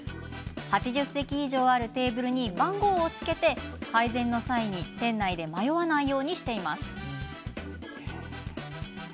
８０席以上あるテーブルに番号をつけて配膳の際に店内で迷わないようにしています。